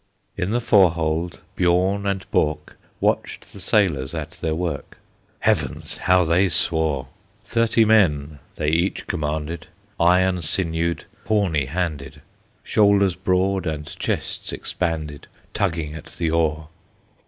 In the fore hold Biorn and Bork Watched the sailors at their work: Heavens! how they swore! Thirty men they each commanded, Iron sinewed, horny handed, Shoulders broad, and chests expanded, Tugging at the oar.